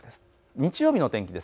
日曜日の天気です。